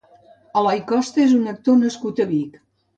Eloi Costa és un actor nascut a Vic.